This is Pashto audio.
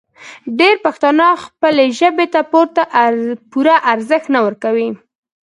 ډېری پښتانه خپلې ژبې ته پوره ارزښت نه ورکوي.